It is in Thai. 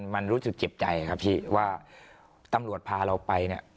มันรู้สึกเจ็บใจครับพี่ว่าตำรวจพาเราไปเนี่ย